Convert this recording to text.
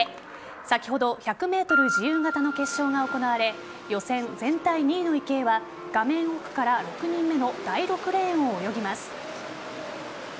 先ほど１００ｍ自由形の決勝が行われ予選全体２位の池江は画面奥から６人目の第６レーンを泳ぎます。